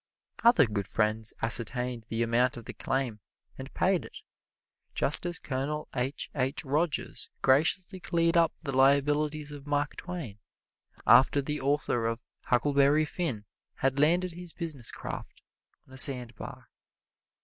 Other good friends ascertained the amount of the claim and paid it, just as Colonel H. H. Rogers graciously cleared up the liabilities of Mark Twain, after the author of "Huckleberry Finn" had landed his business craft on a sandbar.